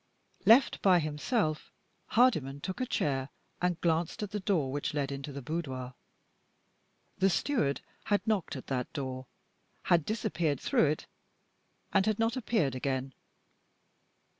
Left by himself, Hardyman took a chair and glanced at the door which led into the boudoir. The steward had knocked at that door, had disappeared through it, and had not appeared again.